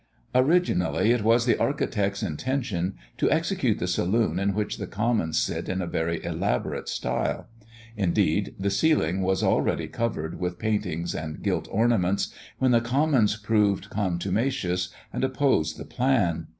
Originally, it was the architect's intention to execute the saloon in which the Commons sit in a very elaborate style; indeed, the ceiling was already covered with paintings and gilt ornaments, when the Commons proved contumacious, and opposed the plan.